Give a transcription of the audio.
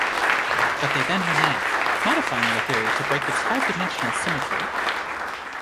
But they then reneged, modifying the theory to break its five-dimensional symmetry.